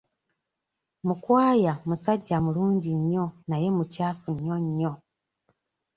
Mukwaya musajja mulungi nnyo naye mukyafu nnyo nnyo.